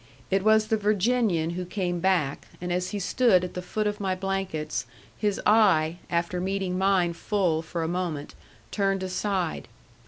It was the Virginian who came back, and as he stood at the foot of my blankets his eye, after meeting mine full for a moment, turned aside.